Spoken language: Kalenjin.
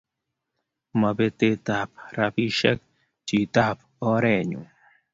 mo betet ab robishe chitap orenyuu.